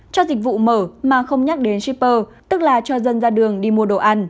cho dịch vụ mở mà không nhắc đến shipper tức là cho dân ra đường đi mua đồ ăn